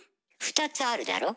２つあるだろ？